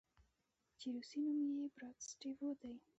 چې روسي نوم ئې Bratstvoدے